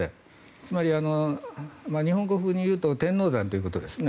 つまり、日本語風に言うと天王山ということですね。